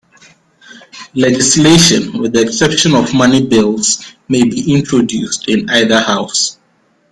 Legislation, with the exception of money bills, may be introduced in either House.